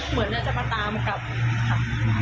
เหมือนจะมาตามกลับค่ะ